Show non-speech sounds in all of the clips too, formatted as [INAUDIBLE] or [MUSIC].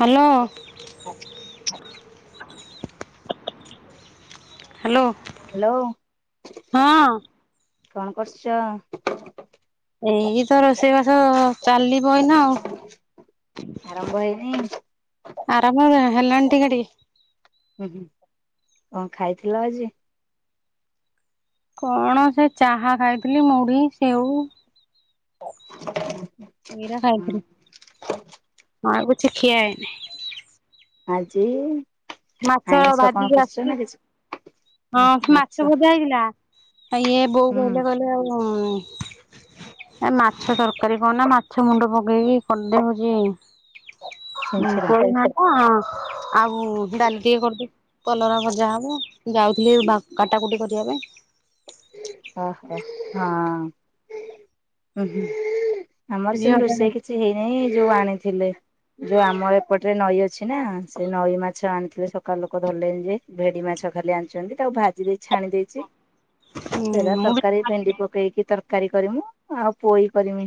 Hello. Hello hello ହଁ। କଣ କରୁଚ? ଏଇ ତ ରୋଷେଇ ବାସ ଚାଲିବ ଏଇନା ଆଉ। ଆରମ୍ଭ ହେଇନେଇ? ଆରାମ୍ବ ଲା ହେଲାଣି ଟିକେ ଟିକେ। ଉଁ ହୁଁ କଁ ଖାଇଥିଲ ଆଜି? କଣ ସେ ଚାହା ଖାଇଥିଲି ମୁଢ଼ି ସେଉ। ଏଇରା ହୁଁ ଖାଇଥିଲି ଆଉ କିଛି ଖିଆ ହେଇନେଇ। ଆଜି ମାଛ ଆଇଁଷ କଣ ଭାଜିକି କରୁଚ ଆସିଛି ନା କିଛି ହଁ ମାଛ ଭଜା ହେଇଥିଲା ଆ ଇଏ ବୋଉ ହୁଁ କହିଲେ କହିଲେ ଆଉ ଏ ମାଛ ତରକାରୀ କରନା ମାଛ ମୁଣ୍ଡ ପକେଇକି କରିଦେ ହଉଚି ଉଁ ଛେଞ୍ଚେଡା ପୋଇ ନାଡ଼ା ଆଉ ଡାଲି ଟିକେ କରିଦେ। କଲରା ଭଜା ହବ ଯାଉଥିଲି ବା କାଟାକୁଟି କରିବା ପାଇଁ। ଓହୋ ହଁ ଉଁ ହୁଁ ଆମର ସେମ୍ ଝିଅ ଟା ରୋଷେଇ କି କିଛି ହେଇ ନାଇଁ ଇଏ ଯୋଉ ଆଣିଥିଲେ ଯୋଉ ଆମର ଏପଟରେ ନଈ ଅଛି ନା ସେ ନଈ ମାଛ ଆଣିଥିଲେ ସକାଳେ ଲୋକ ଧରିଲେଣି ଯେ ଭେଦି ମାଛ ଖାଲି ଆଣିଛନ୍ତି, ତାକୁ ଭାଜି ଦେଇ ଛାଣି ଦେଇଛି ହୁଁ ସେରା ମୁଁ ବି ତରକାରୀ ଭେଣ୍ଡି ପକେଇକି ତରକାରୀ କରିମୁ ଆଉ ପୋଇ କରିମି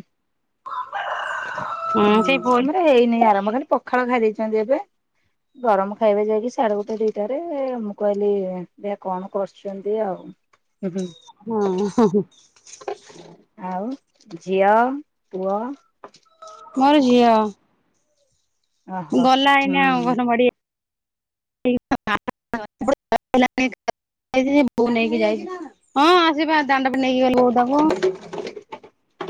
ସେଇ ହୁଁ ପୁଅ ଆମର ହେଇନାହିଁ ଆରମ୍ଭ ଖାଲି ପଖାଳ ଖାଇ ଦେଇଛନ୍ତି ଏବେ ଗରମ ଖାଇବେ ଯାଇକି ସାଡେ ଗୋଟେ ଦିଟାରେ ମୁଁ କହିଲି ଦେଖିଆ କଣ କରୁଛନ୍ତି ଆଉ ହୁଁ ହୁଁ। ହଁ ହଁ ହଁ। ଆଉ ଝିଅ ପୁଅ? ମୋର ଝିଅ ଓହୋ ଗଲା ଏଇନା ହୁଁ। ଅଙ୍ଗନୱାଡ଼ି [UNINTELLIGIBLE] ବୋଉ ନେଇକି ଯାଇଛି। ହଁ ଆଜିବା ଦାଣ୍ଡ ପଟେ ନେଇକି ଗଲେ ବୋଉ ତାକୁ।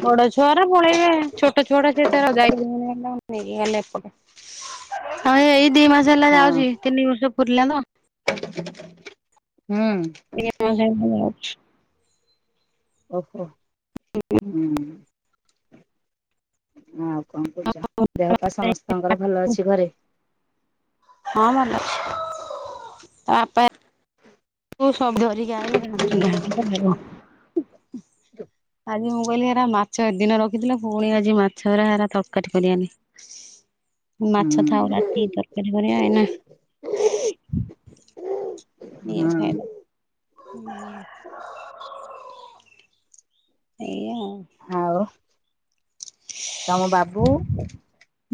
ବଡ ଛୁଆଗୁରା ପଳେଇବେ ଛୋଟ ଛୁଆଗୁଡା ସେ ତାର ଯାଇପାରିବେନି ଏଇନେ ତାଙ୍କୁ ନେଇକି ଗଲେ ଏପଟେ। ଆଉ ଏଇ ଦି ମାସେ ହେଲା ହଁ ଯାଉଛି ତିନି ବର୍ଷ ପୁରିଲା ତ! ହୁଁ। ଆଜ୍ଞା [UNINTELLIGIBLE] ମୁଁ ଯାଉଛି। ଓହୋ ହୁଁ ଆ କଣ କରୁଛ? ଦେହ ପା ସମସ୍ତଙ୍କର ଭଲ ଅଛି ଘରେ? ହଁ ଭଲ ଅଛି, ତା ବାପା ଠୁ ସବୁ ଧରିକି ଆଇଲେ [UNINTELLIGIBLE] ଆଜି ମୁଁ କହିଲି ହେରା ମାଛ ଏ ଦିନ ର ହେଇଥିଲା ଫୁଣି ଆଜି ମାଛ ହେରା ଏରା ତରକାରୀ କରିଆନି। ମାଛ ଥାଉ ହୁଁ ରାତି ତରକାରୀ କରିବା ଏଇନା କିଏ ହୁଁ ଖାଇବ? ହୁଁ ଏଇଆ ଆଉ। ଆଉ ତମ ବାବୁ?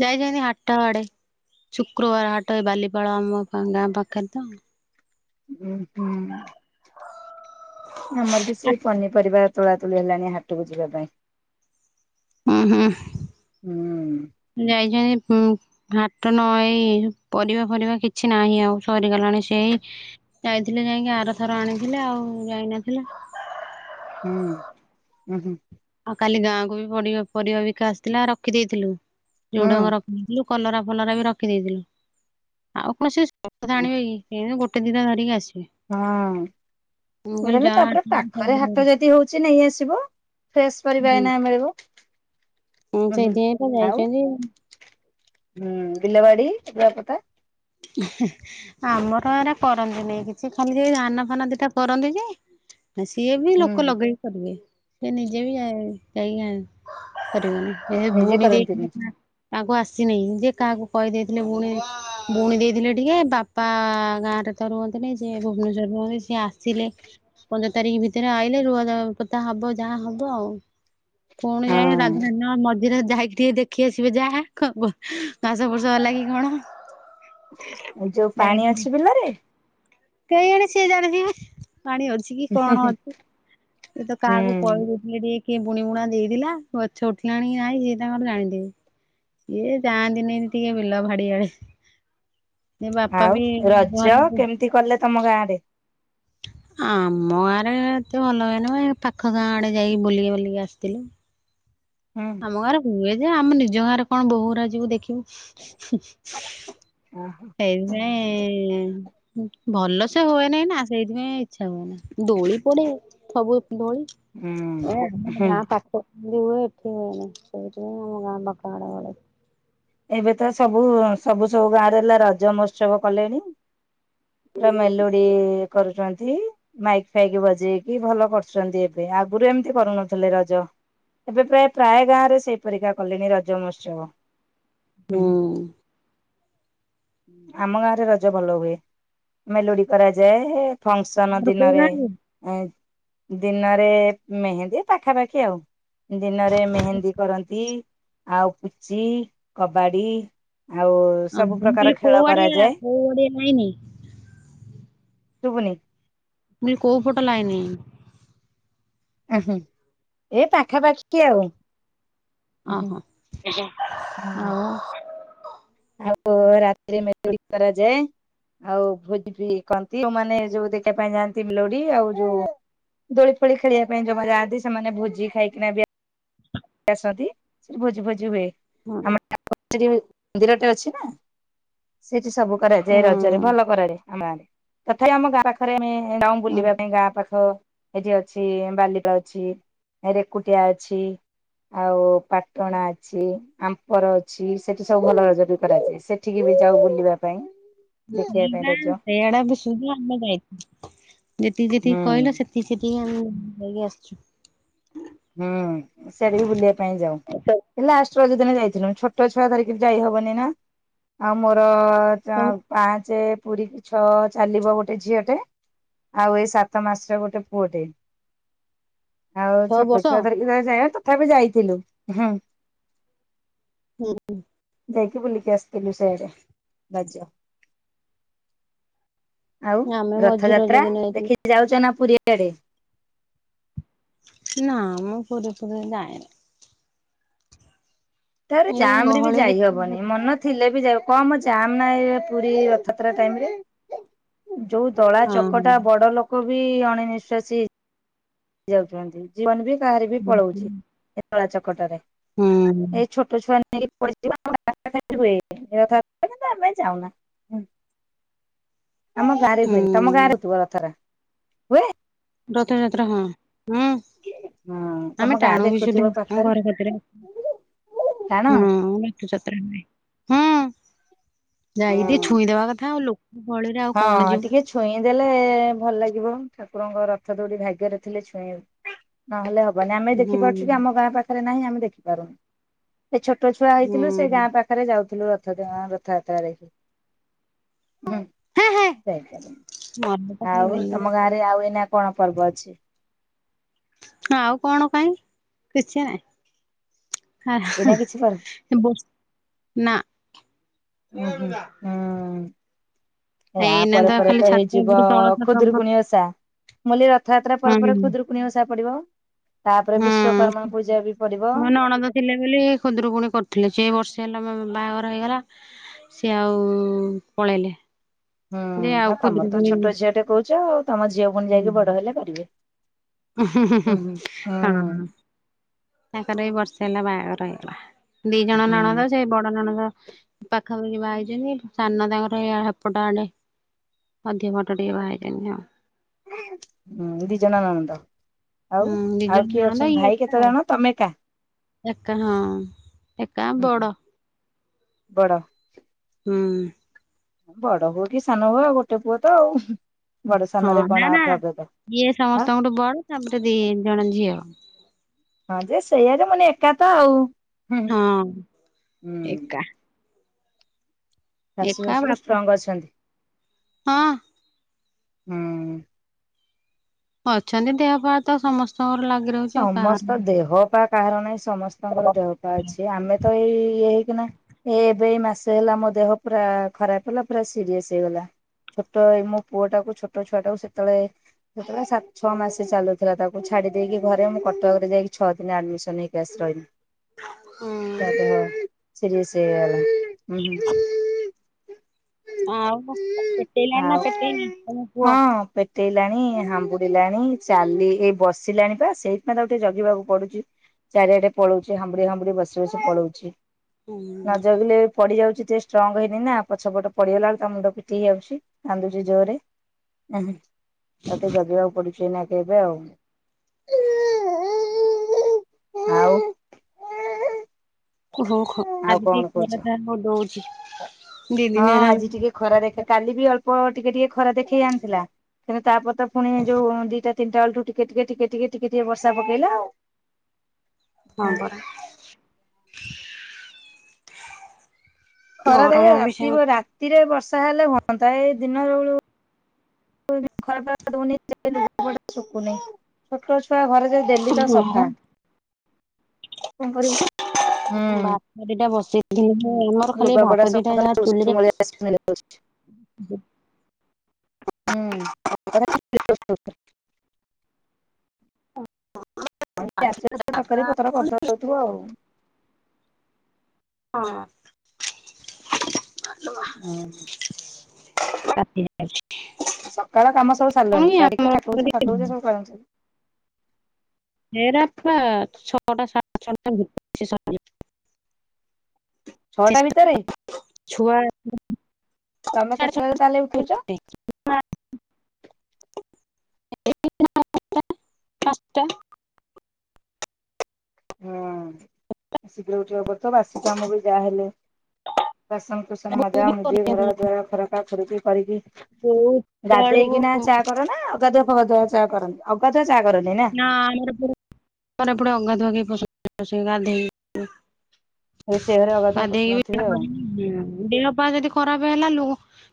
ଯାଇଛନ୍ତି ହାଠ ଆଡେ। ଶୁକ୍ରବାର ହାଟ ଏ ବାଲିପାଳ ଆମ ଗାଁ ପାଖରେ ତ! ଉଁ ହୁଁ। ଆମର ବି ସେଇ ପନିପରିବା ତୋଳା ତୁଳି ହେଲାଣିି ହାଟକୁ ଯିବା ପାଇଁ। ଉଁ ହୁଁ ହୁଁ ଯାଇଛନ୍ତି ଉଁ ହାଟ ନ ଏଇ ପରିବା ଫରିବା କିଛି ନାହିଁ ଆଉ ସରିଗଲାଣି ସେଇ ଯାଇଥିଲେ ଯାଇଁକି ଆରଥର ଆଣିଥିଲେ ଆଉ ଯାଇନଥିଲେ ହୁଁ ଉଁ ହୁଁ। ଆଉ କାଲି ଗାଁକୁ ବି ପଡ଼ିବା ପରିବା ବିକା ଆସିଥିଲା ରଖିଦେଇଥିଲୁ ଝୁଡଙ୍ଗ ର ହୁଁ ଖି ଦେଇଥିଲୁ ଆଉ କଲରା ଫଲରା ବି ରଖିଦେଇଥିଲୁ ଆଉ କଣ ସେ ସବୁ କଥା ଆଣିବେ କି? ଏଇନୁ ଗୋଟେ ଦିଟା ଧରିକି ଆସିବେ। ମୁଁ ହଁ କହିଲି ଏଇନୁ ଯା ତାପରେ ପାଖରେ ହାଟ ଯଦି ହଉଛି ନେଇ ଆସିବ। ଫ୍ରେଶ ପରିବା ଏଇନା ମିଳିବ। ହଁ ଉଁ ହୁଁ। ସେଇଥିପାଇଁ ତ ଯାଇଛନ୍ତି ଆଉ। ହୁଁ ବିଲବାଡି [UNINTELLIGIBLE] ପଟା? ହି ଆମର ଏରା କରନ୍ତିନି କିଛି ଖାଲି ସେଇ ଧାନା ଫାନା ଦିଟା କରନ୍ତି ଯେ ସିଏ ବି ହୁଁ ଲୋକ ଲଗେଇ କରିବେ ସିଏ ନିଜେ ବି ଯାଇ ଯାଇକି ଆଣ କରିବେନି ହେ ନିଜେ ବୁଣି ଦେଇକି କରନ୍ତିନି [UNINTELLIGIBLE] କାହାକୁ ଆସିନାହିଁ ଯେ କାହାକୁ କହିଦେଇଥିଲେ ବୁଣି ବୁଣି ଦେଇଥିଲେ ଟିକେ ବାପା ଗାଁ ରେ ତ ରୁହନ୍ତିନି ସିଏ ଭୁବନେଶ୍ୱରରେ ରୁହନ୍ତି ସିଏ ଆସିଲେ ପନ୍ଦର ତାରିକି ଭିତରେ ଆଇଲେ ରୁଆ ପୋତା ହବ ଯାହା ହବ ଆଉ। ପୁଣି ଯାଇ ହଁ। [UNINTELLIGIBLE] ଇରା ଯାଇକି ଟିକେ ଦେଖି ଆସିବେ ଯାହା ଘାସ ଫୁଷ ହେଲା କିି କଣ? ଯୋଉ ପାଣି ଅଛି ବିଲାରେ। କେଇଜାଣି ସେ ଜାଣିଥବେ ପାଣି ଅଛି କି କଣ ଅଛି। ସେ ତ କାହାକୁ ହୁଁ କହି ଦେଇଥିଲେ ଯେ କିଏ ବୁଣି ବୁଣା ଦେଇଥିଲା ଗଛ ଉଠିଲାଣି କି ନାଇଁ ସେଏ ତାଙ୍କର ଜାଣିଥିବେ। ଇଏ ଯାଆନ୍ତିନି ଟିକେ ବିଲ ଭାଡିଆଡେ। ଇଏ ବାପା ବି ଘରକୁ ତି କଲେ ତମ ଗାଁରେ। ଆମ ଗାଁରେ ଏତେ ଭଲ ହୁଏନି ମ ଏ ପାଖ ଗାଁ ଆଡେ ଯାଇକି ବୁଲିକି ବୁଲିକି ଆସିଥିଲୁ। ହୁଁ ଆମ ଗାଁ ରେ ହୁଏ ଯେ ଆମେ ନିଜ ଗାଁ ରେ କଣ ବୋହୂ ଉରା ଯିବୁ ଦେଖିବୁ। ଓହୋ ସେଇଥି ପାଇଁ ଭଲ ସେ ହୁଏ ନାଇଁ ନା ସେଇଥିପାଇଁ ଇଚ୍ଛା ହୁଏ ନି ଦୋଳି ପଡେ ସବୁ ଦୋଳି ଏ ହୁଁ ହୁଁ ଗାଁ ପାଖ ଯୋଉ ହୁଏ। ସେଠି ହୁଏନି ସେଇଥିପାଇଁ ଆମ ଗାଁ ପାଖ ଆଡ଼େ ବେଳେ ଏବେ ତ ସବୁ ସବୁ ସବୁ ଗାଁରେ ହେଲା ରଜ ମହୋତ୍ସବ କଲେଣି। ପୁରା ମେଲୋଡି କରୁଚନ୍ତି। ମାଇକ୍ ଫାଇକ୍ ବଜେଇକି ଭଲ କରୁଚନ୍ତି ଏବେ ଆଗରୁ ଏମିତି କରୁନଥିଲେ ରଜ। ଏବେ ପ୍ରାୟ ପ୍ରାୟ ଗାଁ ରେ ସେଇ ପରିକା କଲେଣି ରଜ ମହୋତ୍ସବ। ହୁଁ। ଆମ ଗାଁରେ ରଜ ଭଲ ହୁଏ ମେଲୋଡି କରାଯାଏ। ଫଁକ୍ସନ ତମର କୋଉ ଦିନରେ ଗାଁ କି? ଏଁ ଦିନରେ ମେହେନ୍ଦୀ ପାଖାପାଖି ଆଉ ଦିନରେ ମେହେନ୍ଦୀ କରନ୍ତି ଆଉ ପୁଚି କବାଡ଼ି। ଆଉ ମୁଁ ସବୁ ପ୍ରକାର କହିଲି କୋଉ ଖେଳ ଆଡିଆ କରାଯାଏ। କୋଉ ଆଡିଆ ଲାଇନି? ଶୁବୁନି। ମୁଁ କହିଲି ଫଟ ଲାଇନି। ଆଜ୍ଞା ଏ ପାଖାପାଖି କି ଆଉ। ହଁ ଅହୋ ଏଜ୍ଞା ଆଉ ଆଉ ରାତିରେ ମେଲୋଡି କରାଯାଏ। ଆଉ ଭୋଜି ବି କରନ୍ତି ଯେଉଁମାନେ ଯୋଉ ଦେଖିବା ପାଇଁ ଯାଆନ୍ତି ମଲୋଡି ଆଉ ଯୋଉ ଦୋଳି ଫୋଳି ଖେଳିବା ପାଇଁ ଜମା ଯାଆନ୍ତି ସେମାନେ ଭୋଜି ଖାଇକିନା ବି ଆସନ୍ତି ସେଠି ଭୋଜି ଭୋଜି ହୁଏ ହଁ ଆମର ମନ୍ଦିରଟେ ଅଛି ନା ସେଠି ସବୁ କରାଯାଏ ରଜରେ ଭଲ ହୁଁ। କରାଆଡେ ଆମଆଡେ ତଥାପି ଆମ ଗାଁ ପାଖ ଥରେ ଆମେ ଯାଉଁ ବୁଲିବା ପାଇଁ ଗାଁ ପାଖ ଏଠି ଅଛି ବାଲିପା ଅଛି ରେକୁଟିଆ ଅଛି। ଆଉ ପାଟଣା ଅଛି। ଆମ୍ପର ଅଛି ସେଠି ସବୁ ଭଲ ରଜ ବି କରାଯାଏ ସେଠିକି ବି ଯାଉ ବୁଲିବା ପାଇଁ। ଗି ଦେଖିବା ପାଇଁ ଗାଁ ରଜ ସେଆଡେ ବି [UNINTELLIGIBLE] ସୁଧା ଆମେ ଯାଇ ଯେତିକି ଯେତିକି ହୁଁ କହିଲ ସେ ସେ ସେଠି ଆମ ଯାଇକି ଆସଚୁ। ହୁଁ ସ୍ୟାଡେ ବି ବୁଲିବା ପାଇଁ ତମେ ଯାଉ। ଲାଷ୍ଟ ରଜ ଦିନ ଯାଇଥିନୁ ଛୋଟ ଛୁଆ ଧରିକିରି ଯାଇହବନି ନା ଆଉ ମୋର ଯା ହଉ ପାଞ୍ଚେ ପୁରିକି ଛଅ ଚାଲିବ ଗୋଟେ ଝିଅଟେ। ଆଉ ଏଇ ସାତ ମାସେ ଗୋଟେ ପୁଅଟେ ଆଉ ଛଅ ଛୋଟ୍ ବର୍ଷ ଇରେ ଯାଏ ତଥାପି ଯାଇଥିଲୁୁ ହୁଁ। ପୂଅ କୁ। ଯାଇକି ବୁଲିକି ଆସଥିଲୁ ସେଆଡେ ରଜ। ଆଉ ଆମେ ମଝି ରଜ ରଥଯାତ୍ରା ଦିନ ଯାଇଥିଲୁ। ଦେଖିକି ଯାଉଛ ନା ପୁରୀ ଆଡେ। ନା ମୁଁ ପୁରୀ ଫୁରି ଯାଏନି। ତାପରେ ଏଇ ଜାମରେ ବି ଗହଳିରେ ଯାଇହବନି ମନ ଥିଲେ ବି ଯାଇ କମ ଯାମ୍ ନା ଏ ପୁରୀ ରଥଯାତ୍ରା ଟାଇମିରେ। ଯୋଉ ଦଳା ହଁ ହଁ ଚକଟା ବଡ ଲୋକ ବି ଅଣେ ନିିଶ୍ଵାସୀ ହେଇ ଯାଉଚନ୍ତି ଜୀବନ ବି କାହାରି ବି ପଳୋଉଚି ଏ ଦଳା ଚକଟରେ ହୁଁ ଏଇ ଛୋ ତୁ ଛୁଆ ନେଇକି ପୁରୀ ଯିବୁ [UNINTELLIGIBLE] ହୁଏ ମୁଁ [UNINTELLIGIBLE] ଆମେ ଯାଉନା। ଆମ ଗାଁରେ ହୁଏନି ତମ ହୁଁ। ଗାଁରେ ହୋଉଥୁବ ରଥଯାତ୍ରା ହୁଏ? ରଥଯାତ୍ରା ହଁ ହୁଁ। ହଁ ତମ ଆମେ ଗାଁରେ ଟାଣୁ ବି ସୁଧା ଆମ ଘର କତିରେ। ଟାଣ? ହଁ ରଥଯାତ୍ରା ହୁଏ ହଁ ଯାଇକି ଟିକେ ଛୁଇଁଦବା କଥା ଆଉ ଲୋକ ଗହଳିରେ ଆ ହଁ ଟିକେ ଛୁ ଛୁଇଁ ଦେଲେ ଭଲ ଲାଗିବ ଠାକୁରଙ୍କ ରଥ ଦୋଉଡି ଭାଗ୍ୟରେ ଥିଲେ ଛୁଇଁ ନହେଲେ ହବନି ଆମେ ଦେଖିପାରୁଛୁ ହୁଁ। କି ଆମ ଗାଁ ପାଖରେ ନାହିଁ ଆମେ ଦେଖିପାରୁନୁ। ସେ ଛୋଟ ଛୁଆ ହେଇଥିଲୁ ସେ ହୁଁ ଗାଁ ପାଖ ପାରେ ଯାଉଥୁଲୁ ରଥଟା ରଥଯାତ୍ରା ଦେଖି ହୁଁ। ହେ ହେ ଯାଇ ପାରୁନି ମନ ତ ଖାଲି ଆଉ ତମ ବେଲୁନ ଗାଁରେ ଆଉ ଏଇନା କଣ ପର୍ବ ଅଛି? ଆଉ କଣ କାଇଁ କିଛି ନାଇଁ ହା ଏଇନା କିଛି ପର୍ବ ହେ। ବୁ ନା ଉଁ ହୁଁ। ଏ ୟା ଏଇନା ପରେ ପରେ ଖାଲି ତ ଛାତ ହେଇଯିବ ଉପରେ ତଳ ଛାତ ଉପରେ ଖୁଦୁରୁକୁଣୀ ଓଷା ମୁ କଇଲି ରଥଯାତ୍ରା ପରେ ହୁଁ ପରେ ଖୁଦୁରୁ ପୁଣି ଓଷା ପଡିବ ତାପରେ ହୁଁ ବିଶ୍ଵକର୍ମା ପୂଜା ବି ପଡିବ। ପିଲା ଥିଲି ହେଇ ବୋଲି ଖୁଦୁରୁକୁୁଣୀ କରଥିଲି ଯେ ଏ ବର୍ଷେ ହେଲା ମୋ ବାହାଘର ହେଇଗଲା। ସିଏ ଆଉ ପଳେଇଲେ। ହୁଁ ଯେ ଆଉ ହଁ ତମର ତ ଖୁଦୁରୁକୁଣୀ ଛୋଟ ଝିଅଟେ କୋହୁଚ ଆଉ ତମ ଝିଅ ଫୁଣି ଯାଇକି ବଡ ହେଲେ କରିବେ ଉହୁଁ ହୁଁ ହଁ ହୁଁ। ତାଙ୍କର ଏଇ ବର୍ଷେ ହେଲା ବାହାଘର ହେଇଗଲା ଦି ଜଣ ହୁଁ। ନଣନ୍ଦ ସେଇ ବଡ ନଣନ୍ଦ ପାଖାପାଖି ବାହା ହେଇଚନ୍ତି ସାନ ତାଙ୍କର ହେଇ ଆ ହେପଟ ଆଡେ ଅଧିକ ବାଟ ଟିକେ ବାହାହେଇଚନ୍ତି ଆଉ। ହୁଁ ଦି ଜଣ ନଣନ୍ଦ? ଆଉ ହୁଁ ଦି ଆଉ ଜଣ କିଏ ନଣନ୍ଦ ଅଛନ୍ତି ଇଏ ଭାଇ ଏକା କେତେ ଆଉ ଜଣ ତମେ ଏକା? ଏକା ହଁ ଏକା ବଡ। ବଡ଼।। ହୁଁ। ବଡ ହୁଅ କି ସାନ ହୁଏ ଆଉ ଗୋଟେ ପୁଅ ତ ଆଉ ହୁଁ ବଡ ହଁ ସାନରେ ନା କଣ ଆଉ ନା ପ୍ରଭେଦ। ଇଏ ହଁ ସମସ୍ତଙ୍କଠୁ ବଡ ତାପରେ ଦି ଜଣ ଝିଅ। ହଁ ଯେ ସେଇଆଯେ ମାନେ ଏକା ତ ଆଉ ହୁଁ। ହଁ ହୁଁ ଏକା। ଶାଶୁ ଏକା ଶ୍ୱଶୁର ବାପା ଷ୍ଟ୍ରଙ୍ଗ୍ ଅଛନ୍ତି? ହଁ। ହୁଁ। ଅଛନ୍ତି ଦେହ ପାତ ସମସ୍ତଙ୍କର ଲାଗୁ ସମସ୍ତ ଦେହ ପା କାହାର ନାହିଁ ସମସ୍ତଙ୍କର ଦେହ ପା ଅଛି। ଆମେ ତ ଏଇ ଏ ହେ କିନା ଏ ଏବେ ମାସ ହେଲା ମୋ ଦେହ ପୁରା ଖରାପ ହେଲା ପୁରା ସିରିଅସ୍ ହେଇଗଲା। ଛୋଟଇ ମୋ ପୁଅଟାକୁ ଛୋଟ ଛୁଆ ଟାକୁ ସେତେବେଳେ ସେତେବେଳେ ସାତ ଛଅ ମାସ ଚାଲୁଥିଲା ତାକୁ ଛାଡି ଦେଇକି ଘରେ ମୁଁ କଟକରେ ଯାଇକି ଛଅ ଦିନ ଆଡମିସନ ହେଇକି ଆସି ରହିଲି। ହୁଁ ତାଦେହ ସିରେସ୍ ହେଇଗଲା ଆଉ ପେଟେଇଲାଣିନା ପେଟେନି ପୁଅ? ପୋଟେଇଲାଣି ହାମ୍ବୁଡିଲାଣି ଚାଲି ଏଇ ବସିଲାଣି ପା ସେଇଥିପାଇଁ ତ ଟିକେ ଜଗିବାକୁ ପଡୁଛି ଚାରିଆଡେ ପଳଉଛି ହାମ୍ବୁଡେଇ ହାମ୍ବୁଡେଇ ବସି ବସି ପଳଉଛି। ନା ହୁଁ ଜଗିଲେ ପଡିଯାଉଛି ଜେ ଷ୍ଟ୍ରଙ୍ଗ୍ ହେଇନି ନା ପଛ ପଟ ପଡିଗଲା ବେଳେକୁ ତା ମୁଣ୍ଡ ପିଟି ହେଇଯାଉଛି କାନ୍ଦୁଛି ଜୋରରେ। ତାକୁ ଟିକେଜଗିବାକୁ ପଢୁଛି ନେଇନାକେ ଏବେ ଆଉ ଆଉ। ଓହୋ ଖୋ ଆଉ ଆଜି କଣ ଟିକେ କହୁଛ? ଖରାଟା ହଁ ଦଉଛି। ଦି ହଁ ଦିନ ହେଲା ଆଜି ଟିକେ ଖରା ଦେଖେ କାଲି ବି ଅଳ୍ ଅଳ୍ପ ଟିକେ ଟିକେ ଖରା ଦେଖେଇ ଆଣିଥିଲା ତାପରେତ ପୁଣି ଯୋଉ ଦିଟା ତିିଟା ଅଳଠୁ ଟିକେ ଟିକେ ଟିକେ ଟିକେ ଟିକେ ଟିକେ ବର୍ଷା ପକେଇଲା ଆଉ। ହଁ ପରା। ଖରା ଦେଖ ଗରମ ବି ରାତି ରାତିରେ ବର୍ଷା ହେଲେ ହୁଅନ୍ତା ଏ ଏଇ ଦିନରେଳୁ [UNINTELLIGIBLE] ଛୋଟ ଛୁଆ ଘରେ ଯେ ଢେଲି ତ ସେମିତି ସଫା। କଣ କରିବୁ ହୁଁ। [UNINTELLIGIBLE] [UNINTELLIGIBLE] ମୋର ଖାଲି ଲୁଗାପଟା ଭାତ ସବୁ ଦିଟା ଖାଲି ଯାହା ଚୁଲିରେ ଉଷୁମଳିଆ ସ୍ମେଲ ହଉଛି। ହୁଁ [UNINTELLIGIBLE] [UNINTELLIGIBLE] ହଁ ମା ଲୋ ମା। ହୁଁ ସକାଳ କାମ ସବୁ ସାରିଲାଣି ଡାଡିକି ଆମର ଠାକୁପୁଜା ଫାକୁର ପୁଜା ସବୁୁ ସ ସବ୍ ହେରାପା ଛଅଟା [UNINTELLIGIBLE] ଛଅଟା ଭିତରେ ଛୁଆ ତମେ କେତେଟାରେ ତାହେଲେ ଉଠୁଛ? [UNINTELLIGIBLE] [UNINTELLIGIBLE] [UNINTELLIGIBLE] ହଁ ଶୀଘ୍ର ଉଠିବାକୁ ପଡୁଥିବ ବାସିକାମ ବି ଯାହାହେଲେ ବାସ ବୋଉ ସନମଜା ବି ମୁଜି ଘର କରିଛନ୍ତି ଦ୍ଵାର ଖରକା ଖରକି କରିକିଣି ବୋଉ ବେଳକୁ ଗାଧେଇକିନା ଚାହା କର ନା ଅଗାଧୁଆ ଫୁଗାଧୁଆ ଚା କରନ୍ତି ଅଗାଧୁଆ ଚାହା କରନି ନା। ହଁ ଆମର ଏପଟେ ଅଗାଧୁଆ [UNINTELLIGIBLE] ସେଇ ଗାଧୋଇ ରେସେଇ ଘରେ ଅଗାଧୁଆ ପଶୁନଥିବେ ଆଉ। ହୁଁ ଦେହ ପା ଯଦି ଖରାପ ହେଲା ଲୁ